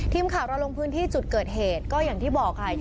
ทีมข่าวเราลงพื้นที่จุดเกิดเหตุก็อย่างที่บอกค่ะ